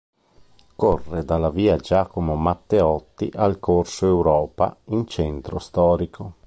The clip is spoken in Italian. Corre dalla via Giacomo Matteotti al corso Europa, in centro storico.